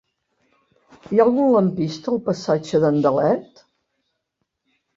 Hi ha algun lampista al passatge d'Andalet?